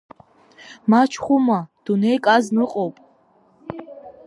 Мачхәума, дунеик азна ыҟоуп…